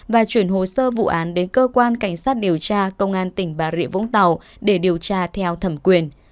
và chuyển hồ sơ vụ án đến cơ quan cảnh sát điều tra công an tỉnh bà rịa vũng tàu để điều tra theo thẩm quyền